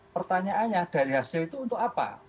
pertanyaannya dari hasil itu untuk apa